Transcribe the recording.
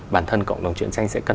bản thân cộng đồng chuyện tranh sẽ cần